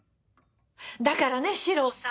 だからね史朗さん。